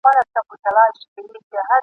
نیکه ویله چي کوی ښه کار ..